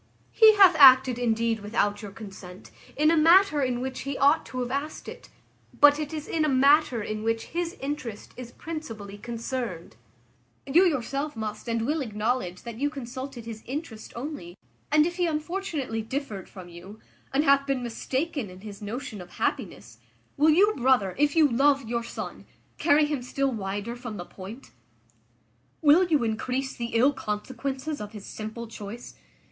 He hath acted indeed without your consent, in a matter in which he ought to have asked it, but it is in a matter in which his interest is principally concerned; you yourself must and will acknowledge that you consulted his interest only, and if he unfortunately differed from you, and hath been mistaken in his notion of happiness, will you, brother, if you love your son, carry him still wider from the point? Will you increase the ill consequences of his simple choice?